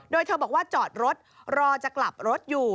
โดยเธอบอกว่าจอดรถรอจะกลับรถอยู่